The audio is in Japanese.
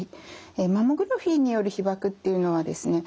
マンモグラフィーによる被ばくっていうのはですね